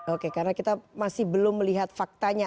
oke karena kita masih belum melihat faktanya